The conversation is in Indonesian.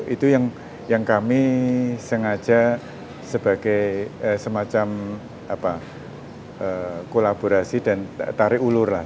itu yang kami sengaja sebagai semacam kolaborasi dan tarik ulur lah